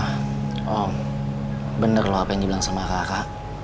ah om bener loh apa yang dibilang sama rara